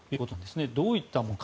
どういったものか。